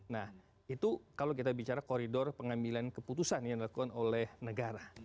nah itu kalau kita bicara koridor pengambilan keputusan yang dilakukan oleh negara